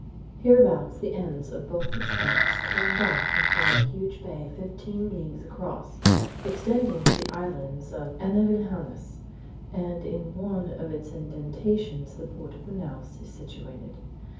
Hereabouts the ends of both its banks trend off and form a huge bay fifteen leagues across, extending to the islands of Anavilhanas; and in one of its indentations the port of Manaos is situated.